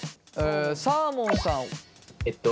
サーモンさん。